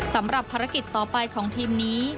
สำหรับภารกิจต่อไปของทีมนี้